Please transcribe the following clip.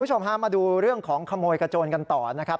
คุณผู้ชมฮะมาดูเรื่องของขโมยกระโจนกันต่อนะครับ